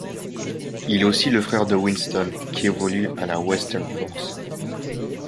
Il est aussi le frère de Winston qui évolue à la Western Force.